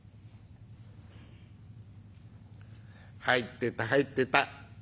「入ってた入ってた。